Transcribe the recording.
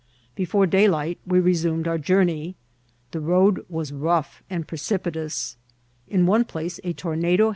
Before daylight we resumed our journey ; the road was rough and precipitous ; in one place a tomado.